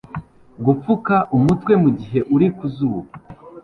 Gupfuka umutwe mugihe uri ku zuba